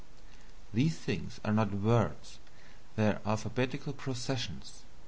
These things are not words, they are alphabetical processions.